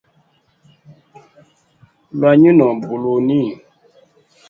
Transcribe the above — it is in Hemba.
Iwanyi nobe guluni?